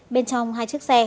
bên trong hai chiếc xe